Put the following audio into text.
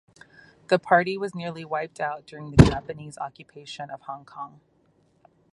The party was nearly wiped out during the Japanese occupation of Hong Kong.